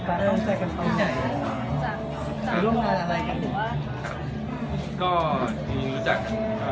โหลงรักไนไม่รู้จัก